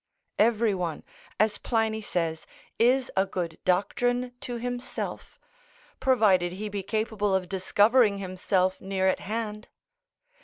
Every one, as Pliny says, is a good doctrine to himself, provided he be capable of discovering himself near at hand.